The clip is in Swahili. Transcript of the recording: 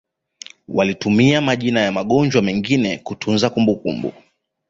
walitumia majina ya magonjwa mengine kutunza kumbukumbu